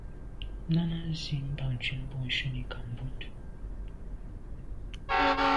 Náná zí bǎk ncwɛ́n bû shúnì kā bút.